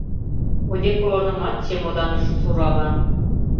Одеколонымат чемоданыш сурала.